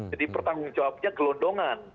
jadi pertanggung jawabnya gelondongan